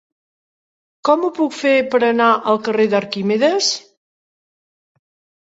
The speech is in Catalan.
Com ho puc fer per anar al carrer d'Arquímedes?